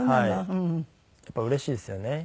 はいやっぱりうれしいですよね。